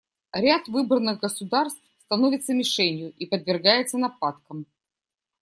Ряд выбранных государств становится мишенью и подвергается нападкам.